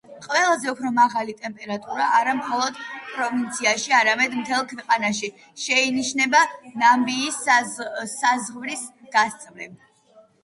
ყველაზე უფრო მაღალი ტემპერატურა, არა მხოლოდ პროვინციაში, არამედ მთელ ქვეყანაში, შეინიშნება ნამიბიის საზღვრის გასწვრივ.